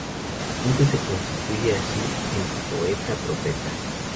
Dante se constituye así en Poeta-Profeta.